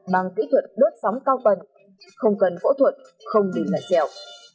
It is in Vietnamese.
bằng kỹ thuật đốt sóng cao cần không cần phẫu thuật không đỉnh lại xeo